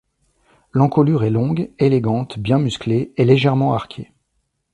L'encolure est longue, élégante, bien musclée et légèrement arquée.